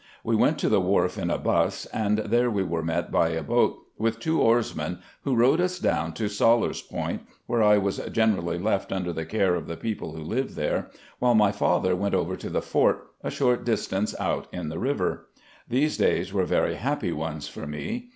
We went to the wharf in a " bus, " and there we were met by a bos'.t with two oarsmen, who rowed us down to Sellers Point, where I was generally left under the care of the people who lived there, while my father went over to the Fort, a short distance out in the river. These days were very happy ones for me.